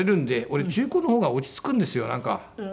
俺中古の方が落ち着くんですよなんか。